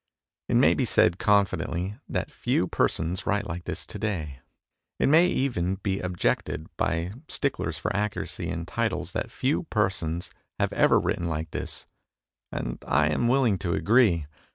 It may be said confidently that few persons write like this to day ; it may even be ob jected by sticklers for accuracy in titles that few persons ha ^ ever written like this, and I am willing to agree.